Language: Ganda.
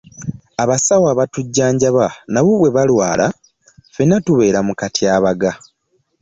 Abasawo abatujjanjaba nabo bwe balwala, ffenna tubeera mu katyabaga.